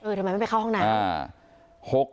เออทำไมไม่ไปเข้าข้างห้าง